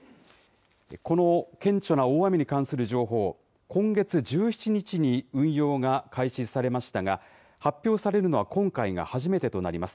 この顕著な大雨に関する情報、今月１７日に運用が開始されましたが、発表されるのは今回が初めてとなります。